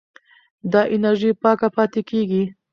دا انرژي پاکه پاتې کېږي.